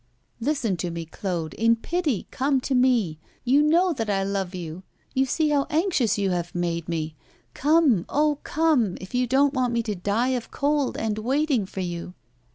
'Listen to me, Claude, in pity come to me you know that I love you you see how anxious you have made me. Come, oh! come, if you don't want me to die of cold and waiting for you.